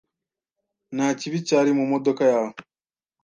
Nta kibi cyari mu modoka yawe.